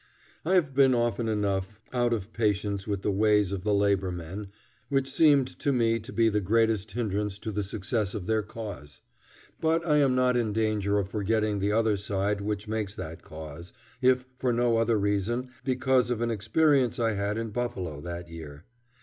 I have been often enough out of patience with the ways of the labor men which seem to me to be the greatest hindrance to the success of their cause; but I am not in danger of forgetting the other side which makes that cause if for no other reason, because of an experience I had in Buffalo that year.